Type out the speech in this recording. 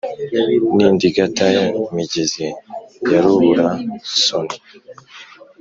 N’Indigata- migezi* ya Rubura-soni*.